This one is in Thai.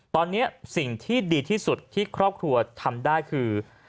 ตอนนี้สิ่งที่ดีที่สุดที่ครอบครัวทำได้คือ